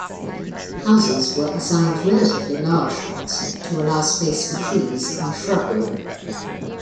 Houses were assigned relatively large lots to allow space for trees and shrubbery.